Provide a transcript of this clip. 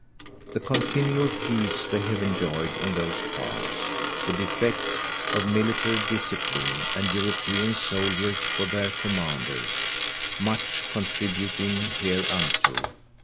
The continual Peace they have enjoyed in those parts, the defect of Military Discipline, and European _souldiers for their Commanders, much contributing hereunto.